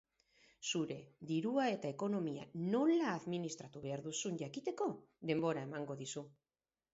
Zure dirua eta ekonomia nola administratu behar duzun jakiteko denbora emango dizu.